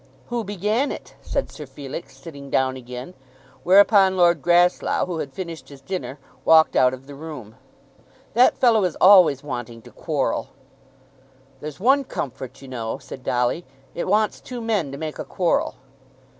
"Who began it?" said Sir Felix, sitting down again. Whereupon Lord Grasslough, who had finished his dinner, walked out of the room. "That fellow is always wanting to quarrel." "There's one comfort, you know," said Dolly. "It wants two men to make a quarrel."